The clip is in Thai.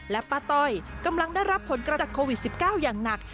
และป้าต้อยกำลังได้รับผลกระทบโควิด๑๙อย่างหนัก